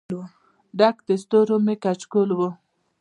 ډک د ستورو مې کچکول و